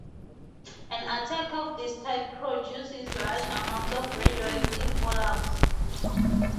An attack of this type produces large amounts of radioactive fallout.